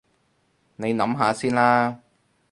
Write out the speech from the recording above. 你諗下先啦